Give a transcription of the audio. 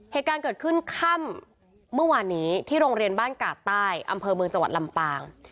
เหตุการณ์เกิดขึ้นค่ำเมื่อวานนี้ที่โรงเรียนบ้านกาดใต้อำเภอเมืองจังหวัดลำปาง